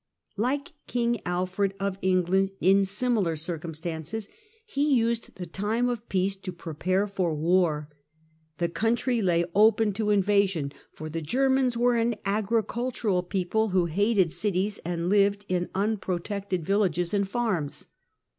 Like King Alfred of England in similar circumstances, he used the time of peace to prepare for war. The country lay open to invasion, for tlie Germans were an agricultural people, who hated cities, and lived in unprotected villages THE SAXON EMPERORS 7 and farms.